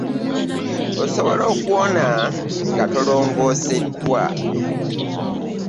Osobola okuwona nga tolongooseddwa.